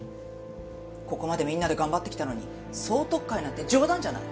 ここまでみんなで頑張ってきたのに総取っ換えなんて冗談じゃない。